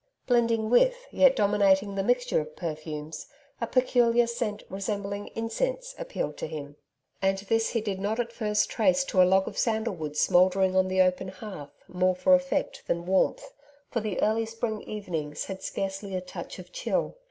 Blending with, yet dominating the mixture of perfumes, a peculiar scent resembling incense, appealed to him; and this he did not a first trace to a log of sandal wood smouldering on the open hearth more for effect than warmth, for the early spring evenings had scarcely a touch of chill.